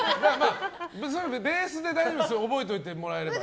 ベースで大丈夫ですよ覚えておいてもらえれば。